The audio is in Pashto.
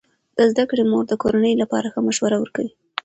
د زده کړې مور د کورنۍ لپاره ښه مشوره ورکوي.